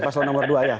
paslon nomor dua ya